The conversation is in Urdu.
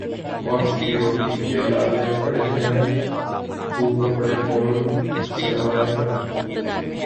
وقت کی روٹی کے لالے پڑے ہیں تو کپڑے کون سلوائے گا